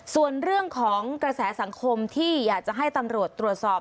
ส่วนเรื่องของกระแสสังคมที่อยากจะให้ตำรวจตรวจสอบ